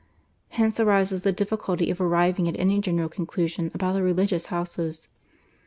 Hence arises the difficulty of arriving at any general conclusion about the religious houses.